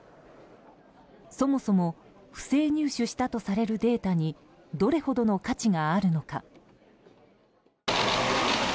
そもそも不正入手したとされるデータにどれほどの価値があるのか。